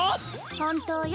本当よ。